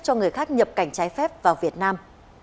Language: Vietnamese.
cho người khác nhập cảnh trái phép vào việt nam